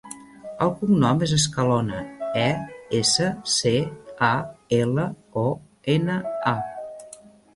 El cognom és Escalona: e, essa, ce, a, ela, o, ena, a.